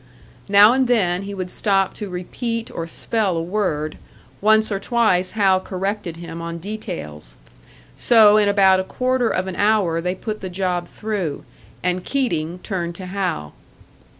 Now and then he would stop to repeat or spell a word; once or twice Hal corrected him on details. So, in about a quarter of an hour, they put the job through; and Keating turned to Hal.